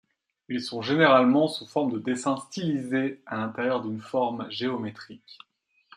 Ils sont généralement sous forme de dessins stylisés à l'intérieur d'une forme géométrique.